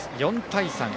４対３。